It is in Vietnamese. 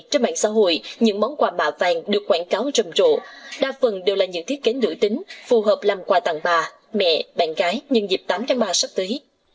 trên mạng xã hội những món quà mà vàng được quảng cáo rầm rộ đa phần đều là những thiết kế nổi tính phù hợp làm quà tặng bà mẹ bạn gái nhân dịp tám tháng ba sắp tới